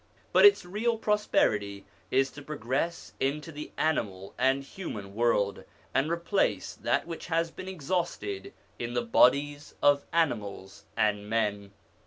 But its real prosperity is to progress into the animal and human world, and replace that which has been exhausted in the bodies of animals and men.